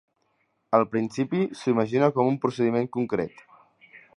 Al principi s'ho imagina com un procediment concret.